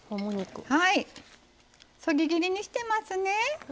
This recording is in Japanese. そぎ切りにしてますね。